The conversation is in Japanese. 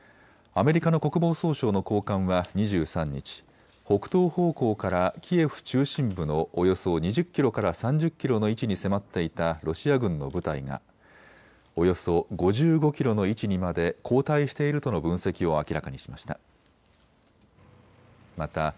アメリカの国防総省の高官は２３日、北東方向からキエフ中心部のおよそ２０キロから３０キロの位置に迫っていたロシア軍の部隊がおよそ５５キロの位置にまで後退しているとの分析を明らかにしました。